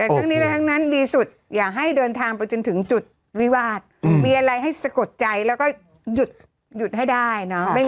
โอเคดังนั้นดีสุดอย่าให้เดินทางเถิงจุดวิวาสมีอะไรให้สะกดใจแล้วก็หยุดให้ได้นะ